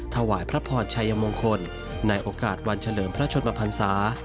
ถวายพระพรชัยมงคลในโอกาสวันเฉลิมพระชนมพันศา